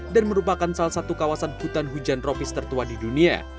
dan merupakan salah satu kawasan hutan hujan rovis tertua di dunia